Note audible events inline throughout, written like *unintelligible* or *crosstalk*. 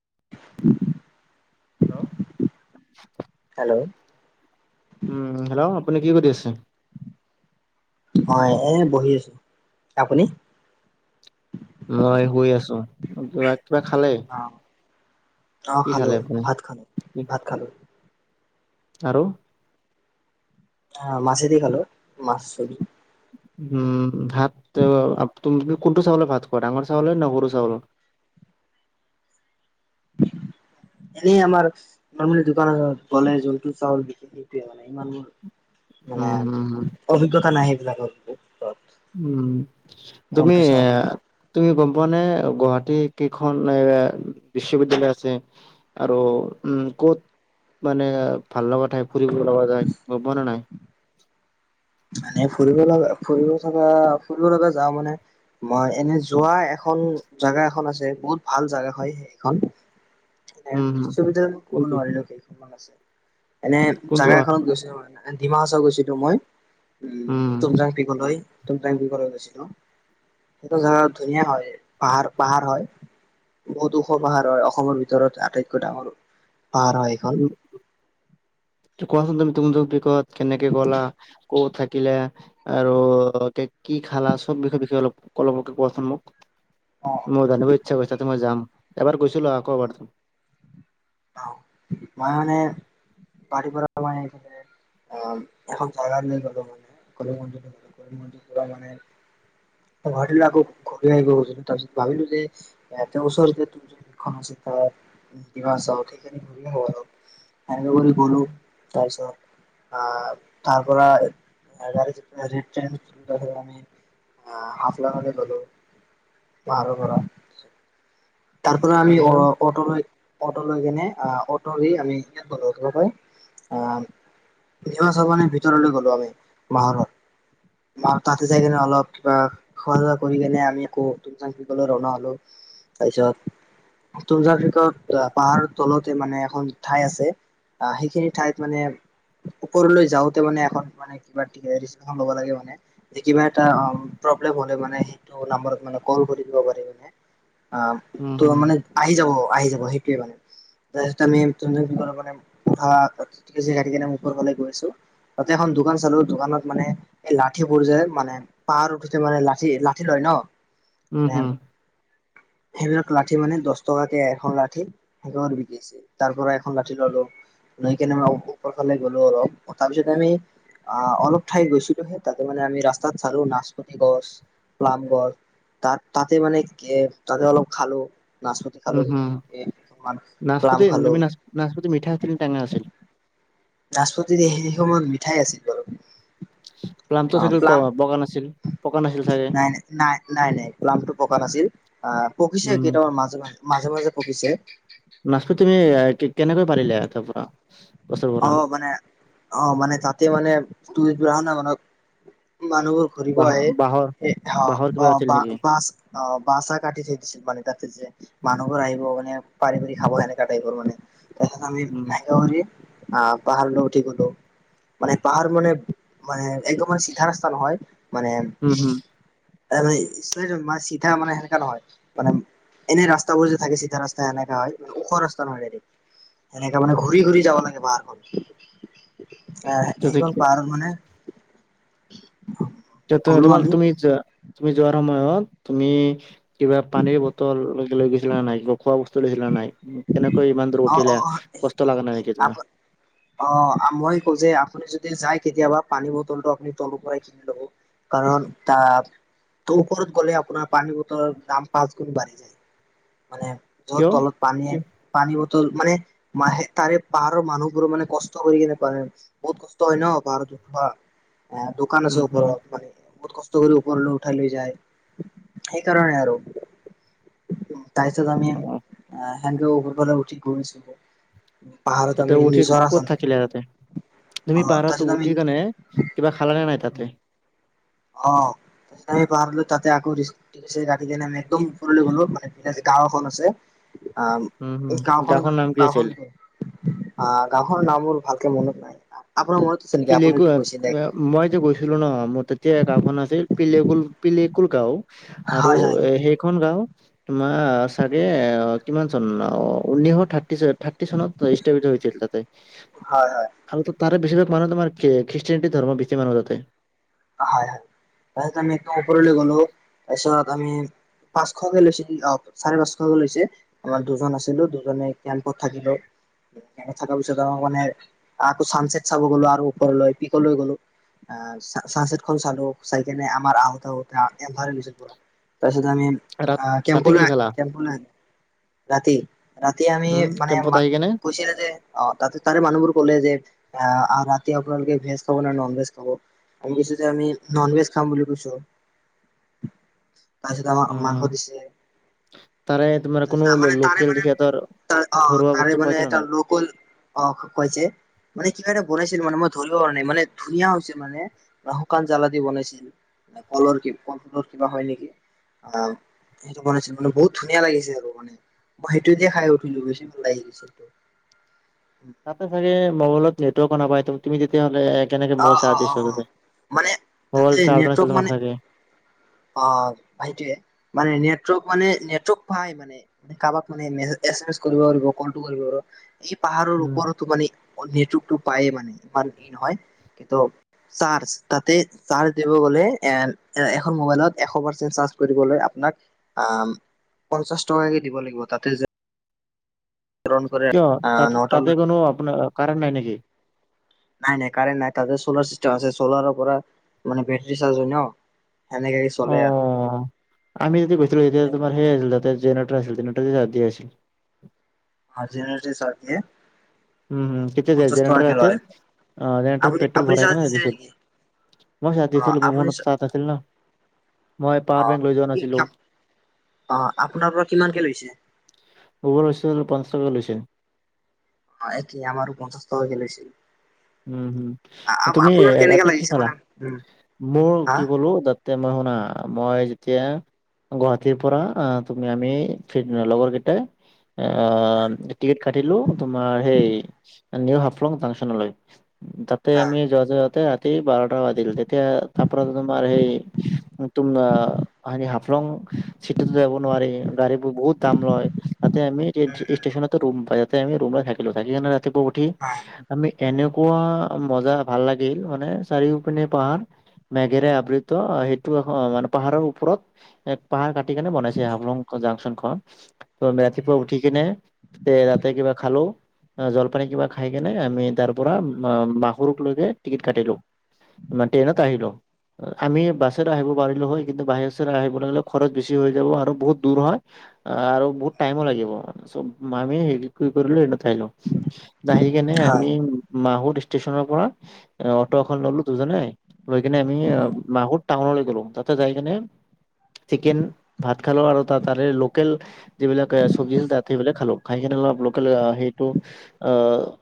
*unintelligible* Hello hello um hello আপুনি কি কৰি আছে? অ এ বহি আছোঁ আপুনি মই শুই আছো কিবা কিবা খালে? অ কি খালো খালে আপুনি? ভাত খালো ভাত খালো আৰু আহ মাছে দি খালো মাছ চবি উম ভাত তুমি কোনটো চাউল ভাত খোৱা ডাঙৰ চাউল হয় ন গৰু চাউল *inaudible* এনেই আাৰ ম দোকানৰ বলে জলটো চাউল বিক সটোৱে মানে ইমান মোৰ মানে উম, উম, অভিজ্ঞতা নাই সেইবিলাকৰ উম তুমি কোনটো চাউল তুমি গম পোৱানে গুৱাহাটী কেইখন এ বিশ্ববিদ্য়ালয় আছে আৰু উম ক'ত মানে ভাল লগা ঠাই ফুৰিব লগা যায় গ ন নাই? মানে ফুৰিব লগা ফুৰিব চা ফুৰিব লগা যাওঁ মানে। মই এনে যোৱা এখন জেগা এখন আছে বহুত ভাল জেগা হয় সখন উম, বিশ্ববিদ্যালয়ত মই কোনটো ক'ব নোৱাৰিলো কেইখনমান আছে এনে কোনটো জোগা এখনত গৈছিলো ম ডিমা হাচৰ গৈছিলো মই উম তুমচংক তুমচং গছিল। সেইটো জগা ধুনীয়া হয় পাহাৰ পাহাৰ হয়। বহুত ওখ পাহাৰ হয় অসমৰ ভিতৰত আটাইতকৈ ডাঙৰ পাহাৰ হয় এইখন কোৱাচোন তুমি তুম বিত কেনেকে গ'লা কত থাকিলে আৰু কি খালা সব বিষয়ে বিষয়ে অলপ অলপকে কোৱাচোন মোক অ, মোৰ জানিব ইচ্ছা কৰিছ তাতে মই যাম এবাৰ গৈছিলো আকৌ এবাৰ আহ মই মানে পাৰীৰ পৰা মই এইফালে আহ এখন জাগাৰ ন গলো মান কলম মন্দিৰ গলম মন্দিৰ পৰা মানে গুৱাহাটীলে আকৌ ঘূৰি আহিব গৈছিলো। তাৰপিছত ভাবিলো যে এ ওচৰত যে তোৰ য আছে। কিবা চাওক সেইখিনি ঘূৰি হব অল এনেকে কৰি বো তাৰপিছত আহ তাৰ পৰা গাড়ী আ অ হাফলংলে হলো, পাহাৰৰ পৰা। তাৰ পৰা আমি তাৰপিছত অট লৈ অটো লৈ কেনে আহ অটো দি আমি ইয়াত ব হয় আহ নিবচৱানিৰ ভিতৰলৈ গলো আমি মাহৰত আৰু তাতে যাই কেনে অলপ কিবা খোৱা ধোৱা কৰি কেনে আমি আকৌ তুম চাং গলে ৰনা হলো। তাৰপিছত তুমজাক কিকত পাহাৰ তলতে মানে এখন ঠাই আছে আহ সেইখিনি ঠাইত মানে ওপৰলৈ যাওঁতে মানে এ মানে কিব লব লাগে মানে যে কিবা এটা প্ৰব্লেম হ'লে মানে সেইটো নাম্বাৰত মানে কল কৰি দিব পাৰি মানে। অ উম ত হম মানে আহি যাব আহি যাব সেইটোৱে মানে তাৰপিছ আমি মানে পঢ়ানেৰালে গৈছো তাতেখন *unintelligible* দোকান চালো দোকানত মানে এই লাঠিবোৰ যে মানে পাহাৰ উঠোতে মানে লাঠি লাঠি লয় ন *unintelligible* উম হম সেইবিলাক লাঠি মানে দহ টকাকে এখন লাঠি স বিকিছে তাৰ পৰা এখন লাঠি ললো নৈ কেনে আমাৰ ওপৰ ফালে গ'লো ৰ তাৰপিছত আমি আহ অলপ ঠাই গৈছিলোহে তাতে মানে আমি ৰাস্তাত চালো নাচপতি গছ প্লাম গছ *unintelligible* ত তাতে মানে তাতে অলপ খালো নাচপতি খালো উম হম এ কিছুমান প্লাম নাচপতি খালো তুমি নাচ নাচপতি মিঠা আছিল নে টেঙা আছিল নাচপতি এইখিনি সময়ত মিঠাই আছিল বাৰু প্লামটো অ চাইকেল প্লাম বগা ন আছিল পকা নাছিল আছিল চাগে নাই নাই নাই নাই নাই প্লামটো পকা নাছিল অ পকিছে উম কেইটামাৰ মাজে মাজে মাজে পকিছে *unintelligible* নাচপতি তুমি কেনেকৈ পাৰিলা তাৰ পৰা *unintelligible* অ মানে অ মানে তাতে মানে *unintelligible* মানত *unintelligible* মানুহবোৰ ঘূৰিব বাঁহ আহে বাঁহৰ এ অ বাঁহৰ অ কিবা আছিল বা বা নেকি বাচ অ বা চাহ কাটি থৈ দিছিল মানে তাতে যে উম মানুহবোৰ আহিব *unintelligible* মানে পাৰিবাৰিক সাৱধানে কাটাইপৰ মানে তাছত আমি উম আহিব বুলি *unintelligible* অ পাহাৰ ন উঠিগলো *unintelligible* মানে পাহাৰ মান মানে একদমান চিধা ৰাস্তা নহয় মানে উম *unintelligible* আমি চিধা মানে সেনেকা নহয় মানে এনে ৰাস্তাবোৰ যে থাকে চিধা ৰাস্তা এনেকা হয় ওখ ৰাস্তা নহয় ৰেডি *unintelligible* এনেকাে মানে ঘূৰি ঘূৰি যাব লাগে পাহাৰখন আ এইখন পাহাৰ হম মানে *unintelligible* যত ত গ'লো তুমাৰ আমি তুমি যোৱা তুমি যোৱাৰ সময়ত তুমি কিবা পানীৰ বটল লৈ গৈছিলা নাই গ খোৱা বস্তু লৈছিলা নাই কেনে *unintelligible* অ অ অ সেইটো আপ তোমাৰ অ মই কওঁ যে আপুনি যদি যায় কেতিয়াবা পানী বটলটো আপুনি তলৰ পৰাই কিনি লব কাৰণ তাত ত ওপৰত গ'লে আপোনাৰ পানী বটলৰ দাম পাঁচ গুণ বাঢ়ি যায় মানে য'ত কিয় তলত পানীয়ে কি পানী ব- *unintelligible* টল মানে মাহে তাৰে পাহাৰৰ মানুহবোৰোৰ মানে কষ্ট কৰি কেনে পা হে বহুত কষ্ট হয় ন পাহাৰত *unintelligible* বা দোকান আছে উম হম ওপৰত পানী বহুত কষ্ট কৰি ওপৰলৈ উঠাই লৈ যায় সেইকাৰণে আৰু তাৰপাছত আমি অ আ হেনডোৰ ওপৰ ফালে উঠি গৈছো *unintelligible* তাতে উঠি ক'ত থাকিলে তাতে অ তুমি পাহাৰত তাৰপিছত আমি উঠি কেনে কিবা খালানে নাই তাতে *unintelligible* অ আমি পাহাৰলো তাতে আকৌ *unintelligible* কেনে আমি একদম ওপৰলৈ গ'লো মানে গাঁওখন আছে *unintelligible* আহ উম হম এই গাঁওখন গাঁওখনৰ নাম কি আছিল গাওখনৰ আ গাওঁখনৰ নামোৰ ভাল *unintelligible* কে মনত নাই কা *unintelligible* পিলে কুৱাপ মই যে গৈছিলো ন ম তাত *unintelligible* এতিয়া গাওখন আছিল পিলেকুল পিলেকুল গাওঁ আৰু হয় হয় এ সেইটোৱে সেইখন গাওঁ তোমাৰ চাগে অ কিমান চন অ ঊনৈছশ থাৰ্টি চেভেন থাৰ্টি চনত স্থাপিত হৈছিল তাতে হয় হয় আৰু তো তাৰে বেছিভাগ মানুহ তোমাৰ খ্ৰীষ্টানটি ধৰ্ম বেছি মানুহ যাতে *unintelligible* হয় হয় তাৰপছত আমি একদম ওপৰলৈ গলো তাৰপিছত আমি পাঁচশকে লৈছে অ চাৰে পাঁচশকে লৈছে আমাৰ দুজন আছিলো দুজনে কেম্পত থাকিলো থকাৰ পিছত আমাৰ মানে আকৌ চানচেট চাব গ'লো আৰু ওপৰলৈ পিকলৈ গলো আহ চানচেটখন চালো চাই কিনে আমাৰ আহোত আহোত এন্ধাৰ হৈ গৈছিল পোৰা তাৰপিছত *unintelligible* আমি ৰাত আ ৰাতি কি কেম্পলে খালা কেম্পলে আহিলো *unintelligible* ৰাতি ৰাতি আমি উম মানে কেম্পত মাক আহি কেনে কৈছিলে যে অ তাতে তাৰে মানুহবোৰ কলে যে আহ ৰাতি আপোনালোকে ভেজ খাব নে নন ভেজ খাব আমি কৈছো যে আমি নন ভেজ খাম বুলি কৈছো *inaudible* তাৰপিছত আমাক উম মাংস দিছে তাৰে তোমাৰ কোনো মানে তাৰে লোকেল মানে সিহঁতৰ ত অ ঘৰুৱা তাৰে বস্তু মানে খুৱাইছে নে এটা নাই লোকেল অ কৈছে মানে কিবা এটা বনাইছিল মানে মই ধৰিব পৰা নাই মানে ধুনীয়া হৈছিল মানে শুকান জাল আদি বনাইছিল কলৰ কি কল ফুলৰ কিবা হয় নেকি আহ সেইটো বনাইছিল মানে বহুত ধুনীয়া লাগিছে আৰু মই সেইটোদিয়ে খাই উঠিলো বেছি ভোক লাগি গৈছিল তাতে চাগে মোবাইলত নেটৱৰ্ক অ নাপায় তুমি যেতিয়াহ'লে কেনেকে অ মৱাল অ চাৰ্জ অ দিছ অ তেনে মানে তাতে মৱাইল চাৰ্জ নেটৱৰ্ক নাছিল মানে তোমাৰ ছাগে অ ভাইটোৱে মানে এনে নেটৱৰ্ক মানে নেটৱৰ্ক পাই মানে কাৰোবাক মানে এছ এম এছ কৰিব পাৰিব কলটো কৰিব পাৰিব এই পাহাৰৰ উম ওপৰতো মানে নেটৱৰ্কটো পায়ে মানে ইমান ই নহয় *unintelligible* কিন্তু চাৰ্জ তাতে চাৰ্জ দিব গ'লে এ এখন মোবাইলত এশ পাৰ্চেণ্ট চাৰ্জ *unintelligible* আপোনাক পঞ্চাশ টকাকে দিব লাগিব তাতে যে *unintelligible* কিয় তা নটা তাতে কোনো আপোনাৰ কাৰণ্ নাই নেকি *unintelligible* নাই নাই কাৰেনট নাই তাতে চলাৰ চিষ্টেম আছে চলাৰৰ পৰা মান বেটাৰী চাহজ হয় ন সেনেকে অ চলে আৰু আমি যদি গৈছিলো তেতিয়া তোমাৰ সেই আছিল তাতে *unintelligible* *unintelligible* উম হম কেতিয়া য পঞ্চাশ জেনেৰেটাৰ টকাকে আছিল লয় জেনেৰেটাৰত আপুনি পেট্ৰল আপুনি চাৰ্জ ভৰাইকেনে দিছিলে দিছিল নেকি? মই চাৰ্জ অ' দিছিলো আপুনি মন চাৰ্জ আছিল ন মই পাৱাৰ বেংক লৈ যোৱা নাছিলো আহ আপোনাৰ পৰা কিমানকে লৈছে লৈছে অ একেই আমাৰো পঞ্চাছটকাকে লৈছিল উম হম তুমি কেনেকা তাতে কি লাগিছে কৰা মানে উম, মোৰ হা? কি ক'লো *unintelligible* তেতিয়া মই শুনা মই যেতিয়া *unintelligible* গুৱাহাটীৰ পৰা আহ তুমি আমি লগৰ কেইটাই হয়, টিকেট কাটিলো তোমাৰ সেই নিউ হাফলং জাংচনলৈ তাতে আমি য যতে আছ *unintelligible* তে বাৰটা বাজিল তেতিয়া তাপৰাত তমাৰ সেই তুম হাফলং *unintelligible* চিটতো যাব নোৱাৰি গাড়ীবোৰ বহুত দাম লয় তাতে আমি উম, উম, ষ্টেচনতে ৰুম পাই যাতে আমি ৰুম থাকিলো থাকিনে ৰাতিপুৱা উঠি হয়, আমি এনে *unintelligible* কোৱা মজা ভাল লাগিল মানে চাৰিওপিনে পাহাৰ মেঘেৰে আবৃত সেইটো মানে পাহাৰৰ ওপৰত পাহাৰ ক *unintelligible* সেই কাৰনে বনাইছে হাফলং জাংচনখন *unintelligible* ট ৰাতিপুৱা উঠি কিনে তে তাতে কিবা খালো জলপানী কিবা খাই কিনে আমি তাৰ *unintelligible* পৰা বাহৰুটো লৈকে টিকট কাটিলো ট্ৰেইনত আহিলো *unintelligible* আমি বাছেৰে আহিব পাৰিলো হয় কিন্তু বাচেৰে আহিব লে খৰচ বেছি হৈ যাব আৰু বহুত দূৰ হয় আৰু বহুত টাইমো লাগিব আমিৰি কৰিলো স নথলো *unintelligible* আহি কেনে হয়, আমি মাহত ষ্টেশচনৰ পৰা অটো এখন ললো দুজনে লৈ কিনে আমি মাহুৰ টাউনলৈ গ'লো তাতে যাই কিনে চিকেন ভাত খালো আৰু তাৰে লোকেল যিবিলাক চব্জি আছিল তাত সেইবিলাক খালো খাই কেনে প লোকেল সেইটো অ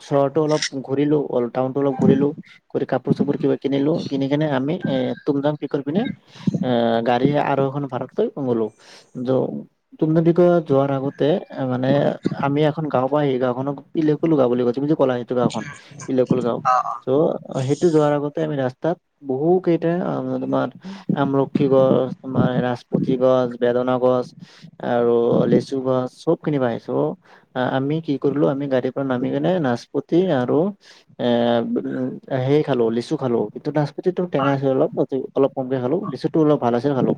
চহৰৰতটো অলপ ঘূৰিলো অল টাউনটো অলপ ঘূৰিলো কৰি কাপোৰ চাপোৰ কিবা কিনিলো কিনি কিনে আমি *unintelligible* ভাৰতলো তুমিক যোৱাৰ আগতে মানে আমি *unintelligible* এখন গও পা সেই গাঁখনক পিল কো গাও বুলি কৈছে কলা *unintelligible* গাওখন বিলেক গাও অ', অ', ত' সেইটো যোৱাৰ আগত আমি ৰাস্তাত বহু কেইটা তোমাৰ আমলখি গ়ছ তোমাৰ নাচপতি গ়ছ *unintelligible* বেদনা গছ আৰু লেচু গছ চব খিনি বাঢ়িছো আমি কি কৰো। আমি গাড়ী পৰা নামি কিনে নাজপুত সেই আৰু এ সেই খালো লিচু খালো কিন্তু নাচ য তম টেঙা হয়, চ অলপ পা *unintelligible* অলপ কমকে খালো লিচু টো অলপ ভাল আছিল খালো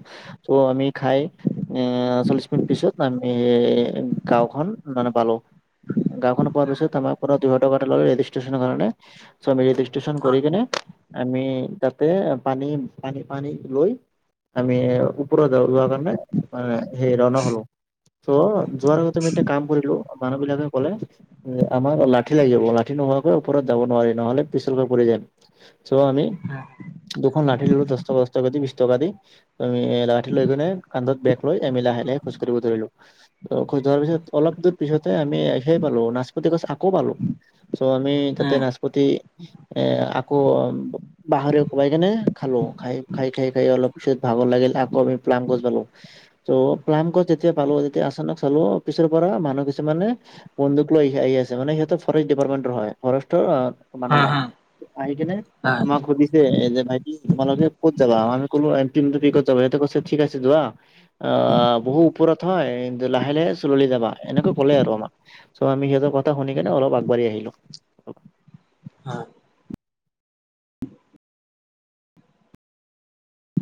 ত' আমি খাই চল্লিশ মিনিট পিছত আ এ গাওখনন মানে পালো গাওখন পোৱাৰ পিছত আমাৰ পৰা দূৰত ষ্ট্ৰণি ৰেজিষ্ট্ৰন কৰি হয়, কেনে আমি তাতে প *unintelligible* পানী পানী পানী লৈ আমি ওপৰত যোৱাৰ কাৰণে মানে সেই ৰওনা হলো ত' যোৱাৰ আগতে আমি এটা কাম কৰিলো মানুহ বিলাকে কলে যে আমাৰ ল লাঠি লাগিব লাঠি নোহোৱাকৈ ওপৰত যাব নোৱাৰি নহ'লে পিছলৈ পৰি যাম। চ আমি উম, দুখন লাঠ দশ টকা দশ টকা দি বিশ টকা দি তুমি লাঠি লৈ কিনে কান্ধত বেগ‌ লৈ আমি লাহে লাহে খোজকাঢ়ি ধৰিলো ধাৰ পিছত অলপ দূৰ পিছতে আমি সেই পালো নাচপতি গছ আকৌ পালো চ' আমি তাতে উম, নাচপতি এ আকৌ অ বাহৰে কোবাই কেনে খালো খাই খাই খাই খাই অলপ পিছত ভাগৰ লাগে গিল আকৌ আমি প্লাম গছ পালো চৌ প্লাম গছ যেতিয়া পালো তেতিয়া আচানক চালো পিছৰ পৰা মানহ কিছুমানে বন্দুক লৈ আই আহি আছে মানে সিহঁতক ফৰেষ্ট ডিপাৰ্টমেন্টৰ হয় ফৰেষ্টৰ মানুহ হয় আহি কিনে হয়, আমাক সুধিছে এ যে ভাইটি তোমালোকে ক'ত যাবা আমি কলো এম টিম টো উইকত যাব সিহঁতে কৈছে ঠিক‌ আছে যোৱা আহ, বহু ওপৰত হয় লাহে লাহে চুললি যাব এনেকুৱা ক'লে আৰু আমাক চ' আমি সিহতৰ কথা শুনি কেনে অলপ কৰি আহিলো হয়।